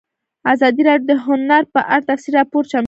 ازادي راډیو د هنر په اړه تفصیلي راپور چمتو کړی.